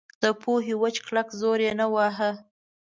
د پوهې وچ کلک زور یې نه واهه.